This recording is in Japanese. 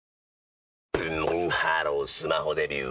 ブンブンハロースマホデビュー！